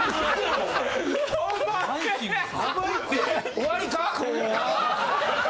終わりか？